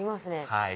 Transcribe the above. はい。